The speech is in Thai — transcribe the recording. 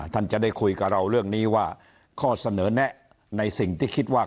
ท่านจะได้คุยกับเราเรื่องนี้ว่าข้อเสนอแนะในสิ่งที่คิดว่า